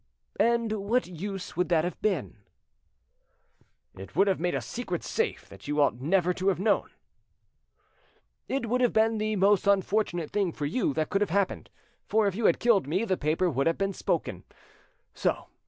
"And what use would that have been?" "It would have made a secret safe that you ought never to have known." "It would have been the most unfortunate thing for you that could have happened, for if you had killed me the paper would have spoken. So!